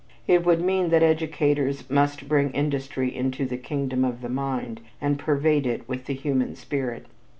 It would mean that educators must bring industry into "the kingdom of the mind"; and pervade it with the human spirit.